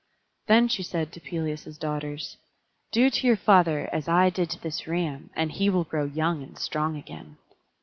Then she said to Pelias's daughters: "Do to your father as I did to this ram, and he will grow young and strong again."